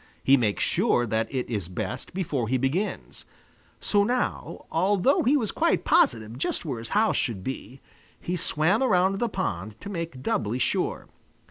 He makes sure that it is best before he begins. So now, although he was quite positive just where his house should be, he swam around the pond to make doubly sure.